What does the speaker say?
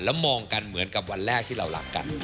แล้วมองกันเหมือนกับวันแรกที่เรารักกัน